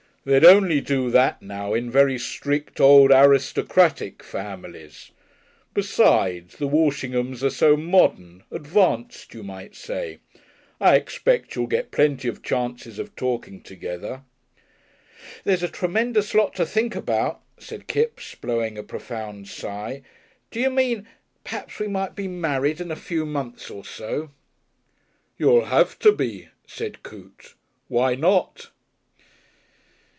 They'd only do that now in very strict old aristocratic families. Besides, the Walshinghams are so modern advanced, you might say. I expect you'll get plenty of chances of talking together." "There's a tremendous lot to think about," said Kipps, blowing a profound sigh. "D'you mean p'raps we might be married in a few months or so." "You'll have to be," said Coote. "Why not?"...